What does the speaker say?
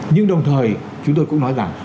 nhưng đồng thời chúng tôi cũng nói rằng